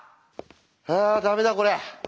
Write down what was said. あダメだこれ。